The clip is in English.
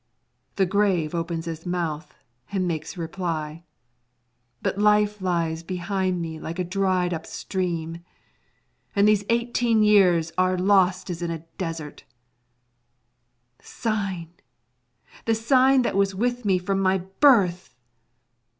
The grave opens its mouth and makes reply. But life lies behind me like a dried up stream, and these eighteen years are lost as in a desert. The sign, the sign that was with me from my birth!